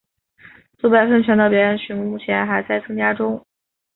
杜拜喷泉的表演曲目目前还在增加中。